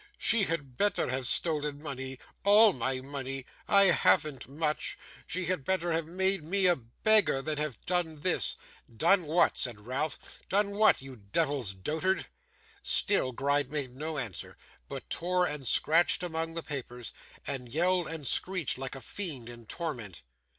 'She had better have stolen money all my money I haven't much! She had better have made me a beggar than have done this!' 'Done what?' said Ralph. 'Done what, you devil's dotard?' Still Gride made no answer, but tore and scratched among the papers, and yelled and screeched like a fiend in torment.